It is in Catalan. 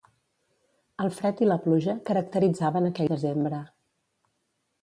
El fred i la pluja caracteritzaven aquell desembre.